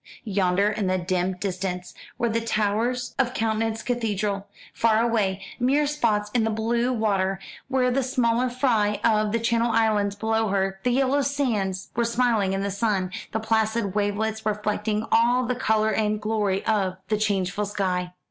Yonder, in the dim distance, were the towers of Coutance Cathedral; far away, mere spots in the blue water, were the smaller fry of the Channel Islands; below her, the yellow sands were smiling in the sun, the placid wavelets reflecting all the colour and glory of the changeful sky.